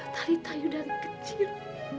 tadi kamu dari kecil